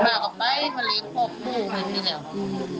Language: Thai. ภายในอุหาศมีพวกผู้ไร้ตีแล้ว